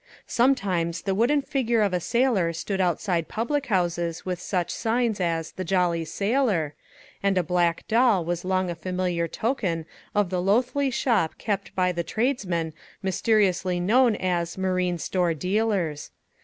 Sometimes the wooden figure of a sailor stood outside public houses with such signs as "The Jolly Sailor"; and a black doll was long a familiar token of the loathly shop kept by the tradesmen mysteriously known as Marine Store Dealers.